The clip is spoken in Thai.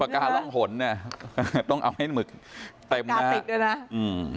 ปากกานร่องหนต้องเอาให้หมึกเห็นได้